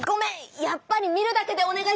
やっぱり見るだけでお願いします！